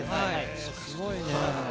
すごいね。